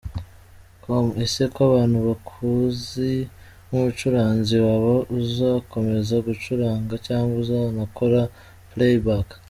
com: Ese ko abantu bakuzi nk'umucuranzi, waba uzakomeza gucuranga cyangwa uzanakora Play Back?.